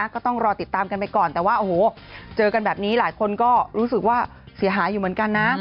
ก็ต้องรอติดตามกันไปก่อนแต่ว่าโอ้โหเจอกันแบบนี้หลายคนก็รู้สึกว่าเสียหายอยู่เหมือนกันนะ